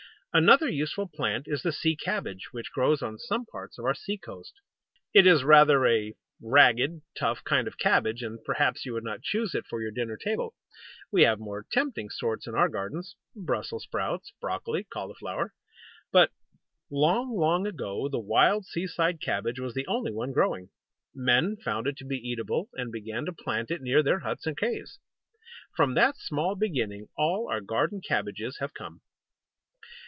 Another useful plant is the Sea Cabbage, which grows on some parts of our sea coast. It is rather a ragged, tough kind of Cabbage, and perhaps you would not choose it for your dinner table. We have more tempting sorts in our gardens Brussels Sprouts, Broccoli, Cauliflower, but long, long ago the wild seaside cabbage was the only one growing. Men found it to be eatable, and began to plant it near their huts or caves. From that small beginning all our garden cabbages have come.